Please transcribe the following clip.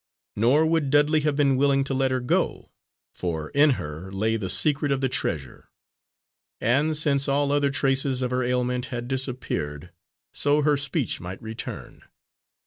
Nor would Dudley have been willing to let her go, for in her lay the secret of the treasure; and, since all other traces of her ailment had disappeared, so her speech might return.